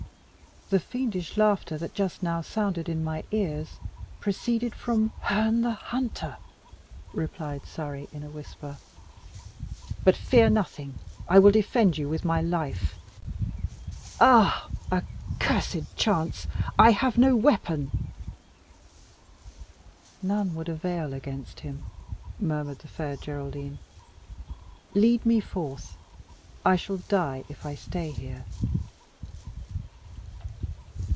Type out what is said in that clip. The fiendish laughter that just now sounded in my ears proceeded from " "Herne the Hunter," replied Surrey, in a whisper. "But fear nothing. I will defend you with my life. Ah! accursed chance! I have no weapon." "None would avail against him," murmured the Fair Geraldine. "Lead me forth; I shall die if I stay here."